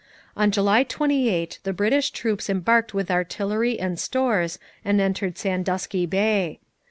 On July 28 the British troops embarked with artillery and stores and entered Sandusky Bay.